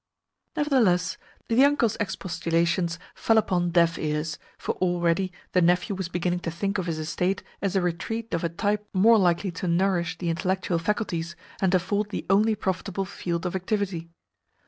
Nevertheless the uncle's expostulations fell upon deaf ears, for already the nephew was beginning to think of his estate as a retreat of a type more likely to nourish the intellectual faculties and afford the only profitable field of activity.